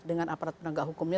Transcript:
dengan aparat penegak hukumnya